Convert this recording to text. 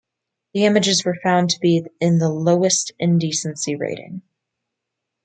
The images were found to be in the lowest indecency rating.